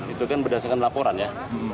itu kan berdasarkan laporan ya